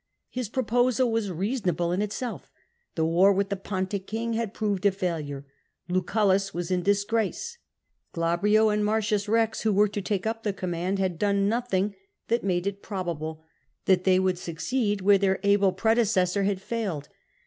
His proposal was reasonable in itself : the war with the Pontic king had proved a failure: Lucullus was in disgrace: (Babrio and MarciuB Bex, wdio w<jre to take up the command, had done notinug tliat made it probable that tiiey would THE MANILTAN LAW 25 S succeed where their able predecessor had failed.